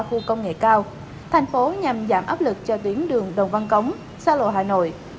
khu công nghệ cao thành phố nhằm giảm áp lực cho tuyến đường đồng văn cống sa lộ hà nội